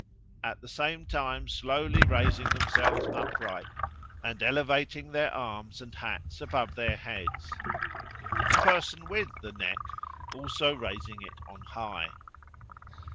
at the same time slowly raising themselves upright, and elevating their arms and hats above their heads; the person with 'the neck' also raising it on high.